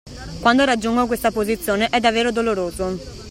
Quando raggiungo questa posizione, è davvero doloroso